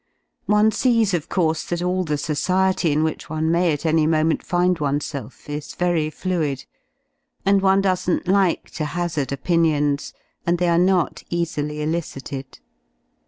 One sees, of course, that all the^sQciet^ in which one may at any moment find oneself is very fluid^ and one doesn't like to hazard opinions, and they are not easily \ elicited.